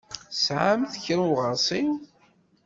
Tesɛam kra n uɣeṛsiw?